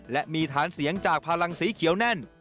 และมีฐานเสียงจากพลังสีเขียวแน่น